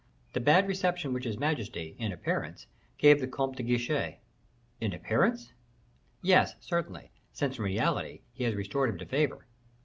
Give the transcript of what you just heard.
"The bad reception which his majesty, in appearance, gave the Comte de Guiche." "In appearance?" "Yes, certainly; since, in reality, he has restored him to favor."